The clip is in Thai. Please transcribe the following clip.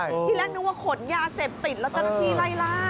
ที่แรกนึกว่าขนยาเสพติดแล้วเจ้าหน้าที่ไล่ล่า